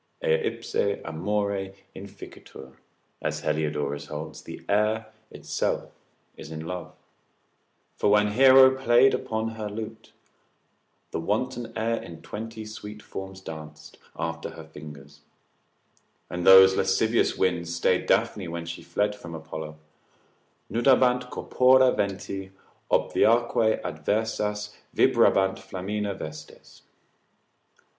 Aer ipse amore inficitur, as Heliodorus holds, the air itself is in love: for when Hero plaid upon her lute, The wanton air in twenty sweet forms danc't After her fingers——— and those lascivious winds stayed Daphne when she fled from Apollo; ———nudabant corpora venti, Obviaque adversas vibrabant flamina vestes.